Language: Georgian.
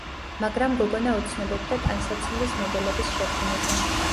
მაგრამ გოგონა ოცნებობდა ტანსაცმლის მოდელების შექმნაზე.